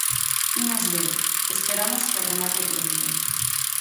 Imos ver, esperamos que remate pronto.